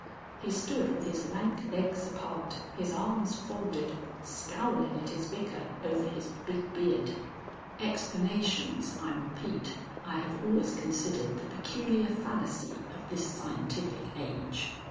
He stood with his lank legs apart, his arms folded, scowling at his Vicar over his big beard. (Explanations, I repeat, I have always considered the peculiar fallacy of this scientific age.)